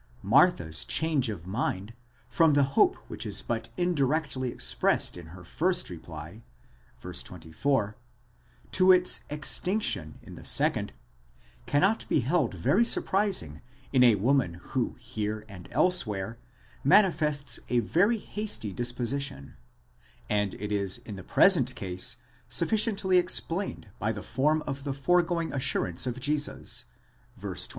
Martha's change of mind, from the hope which is but indirectly expressed in her first reply (v. 24) to its extinction in the second, cannot be held very surprising in a woman who here and elsewhere manifests a very hasty dispo sition, and it is in the present case sufficiently explained by the form of the foregoing assurance of Jesus (v. 23).